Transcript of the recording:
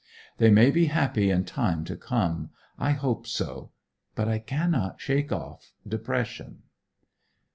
They may be happy in time to come: I hope so. But I cannot shake off depression.